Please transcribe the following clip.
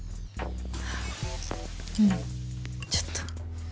うんちょっと。